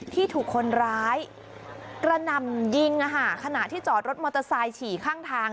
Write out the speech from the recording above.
ที่ถูกคนร้ายกระหน่ำยิงขณะที่จอดรถมอเตอร์ไซค์ฉี่ข้างทาง